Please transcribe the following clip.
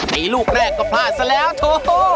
ตีลูกแรกก็พลาดซะแล้วโถ